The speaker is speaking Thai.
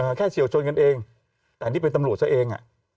มันแค่เฉียวชนกันเองแต่นี่เป็นตำรวจเอง